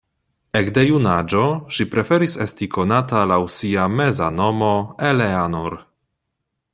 Ekde junaĝo, ŝi preferis esti konata laŭ sia meza nomo, Eleanor.